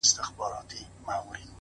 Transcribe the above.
گوره اوښكي به در تـــوى كـــــــــړم،